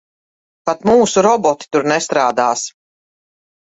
Pat mūsu roboti tur nestrādās.